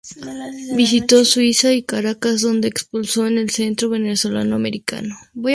Visitó Suiza y Caracas, donde expuso en el Centro Venezolano Americano.